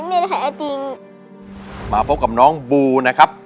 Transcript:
สำหรับน้องบูครับ